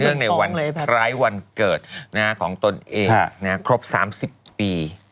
ในวันคล้ายวันเกิดของตนเองครบ๓๐ปี